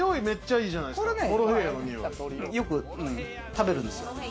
これよく食べるんですよ。